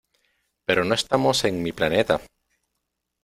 Pero no estamos en mi planeta.